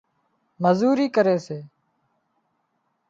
مزوري ڪري سي